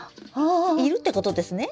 いるってことですね。